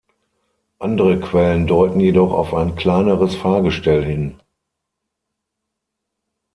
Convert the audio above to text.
Andere Quellen deuten jedoch auf ein kleineres Fahrgestell hin.